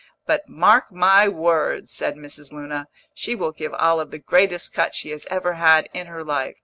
"But, mark my words," said Mrs. Luna, "she will give Olive the greatest cut she has ever had in her life.